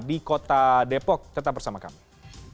di kota depok tetap bersama kami